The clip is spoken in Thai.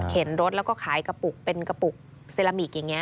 รถแล้วก็ขายกระปุกเป็นกระปุกเซรามิกอย่างนี้